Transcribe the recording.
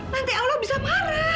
nanti allah bisa marah